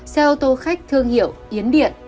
xe ô tô khách thương hiệu yến điện